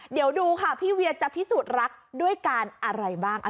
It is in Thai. เดี๋ยวดูค่ะพี่เวียจะพิสูจน์รักด้วยการอะไรบ้าง